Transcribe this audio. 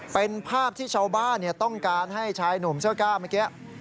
เป็นภาพที่ชาวบ้านต้องการให้ชายหนุ่มเสื้อกล้าเมื่อกี้